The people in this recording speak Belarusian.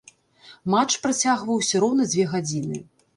Матч працягваўся роўна дзве гадзіны.